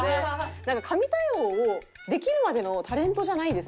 神対応をできるまでのタレントじゃないです